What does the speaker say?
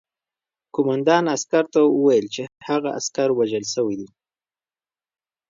قوماندان عسکر ته وویل چې هغه عسکر وژل شوی